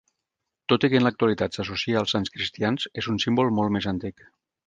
Tot i que en l'actualitat s'associa als sants cristians, és un símbol molt més antic.